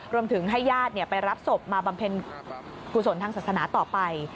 รวมถึงให้ญาติไปรับศพมาบำเพ็ญกุศลทางศาสนาต่อไป